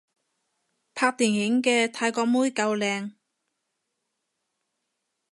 拍電影嘅泰國妹夠靚